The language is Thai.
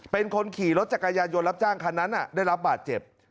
เป็นคนขี่รถจักรยานยนต์รับจ้างคันนั้นได้รับบาดเจ็บ